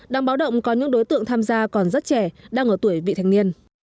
đang báo động có những đối tượng tham gia còn rất trẻ đang ở tuổi vị thành niên